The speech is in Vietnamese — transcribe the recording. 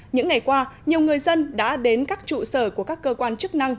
những ngày qua nhiều người dân đã đến các trụ sở của các cơ quan chức năng